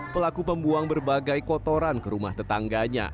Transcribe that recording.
pelaku pembuang berbagai kotoran ke rumah tetangganya